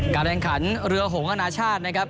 การแข่งขันเรือหงอนาชาตินะครับ